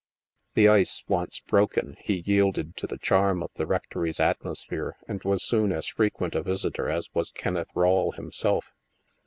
The ice once broken, he yielded to the charm of the rectory's atmosphere and was soon as frequent a visitor as was Kenneth Rawle himself.